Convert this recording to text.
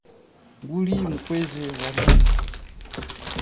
Nguli mukweze wa lunga.